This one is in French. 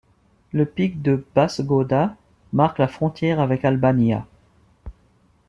Le pic de Bassegoda marque la frontière avec Albanyà.